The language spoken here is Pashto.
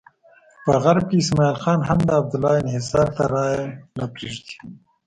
په غرب کې اسماعیل خان هم د عبدالله انحصار ته رایې نه پرېږدي.